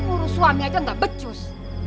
urus suami aja gak becus